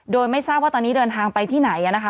โดยไม่ทราบว่าตอนนี้เดินทางไปที่ไหนนะคะ